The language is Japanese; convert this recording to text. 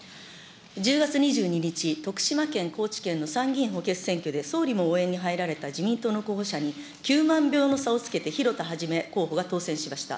１０月２２日、徳島県、高知県の参議院補欠選挙で、総理も応援に入られた自民党の候補者に９万票の差をつけて広田一候補が当選しました。